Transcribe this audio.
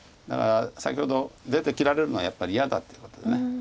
だから先ほど出て切られるのはやっぱり嫌だっていうことで。